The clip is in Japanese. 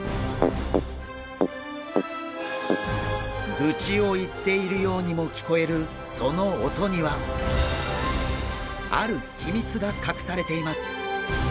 グチを言っているようにも聞こえるその音にはある秘密が隠されています！